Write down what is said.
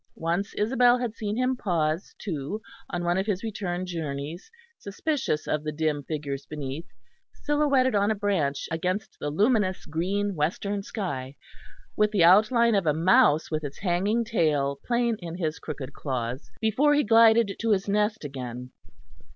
Once Isabel had seen him pause, too, on one of his return journeys, suspicious of the dim figures beneath, silhouetted on a branch against the luminous green western sky, with the outline of a mouse with its hanging tail plain in his crooked claws, before he glided to his nest again.